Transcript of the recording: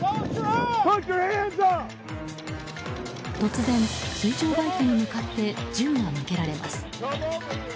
突然、水上バイクに向かって銃が向けられます。